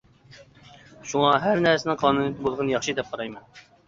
شۇڭا ھەر نەرسىنىڭ قانۇنىيىتى بولغىنى ياخشى دەپ قارايمەن.